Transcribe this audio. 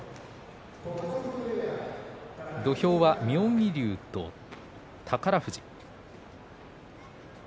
土俵は妙義龍と宝富士です。